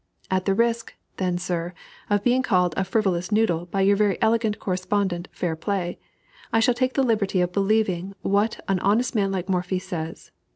At the risk, then, sir, of being called a "frivolous noodle" by your very elegant correspondent "Fairplay," I shall take the liberty of believing what an honest man like Morphy says.